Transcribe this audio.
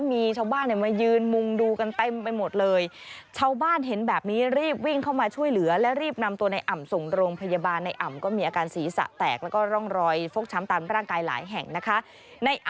มีชาวบ้านมายืนมุมดูกันเต้มไปหมดเลย